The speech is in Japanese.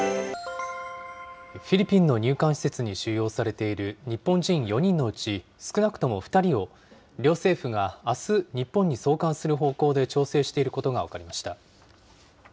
フィリピンの入管施設に収容されている日本人４人のうち、少なくとも２人を、両政府があす、日本に送還する方向で調整していることが分かりました。